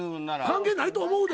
関係ないと思うで。